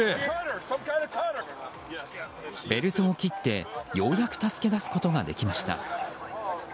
ベルトを切ってようやく助け出すことができました。